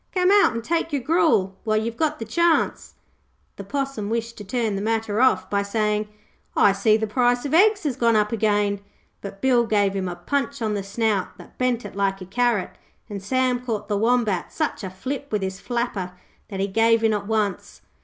Come out an' take your gruel while you've got the chance.' The Possum wished to turn the matter off by saying, 'I see the price of eggs has gone up again', but Bill gave him a punch on the snout that bent it like a carrot, and Sam caught the Wombat such a flip with his flapper that he gave in at once.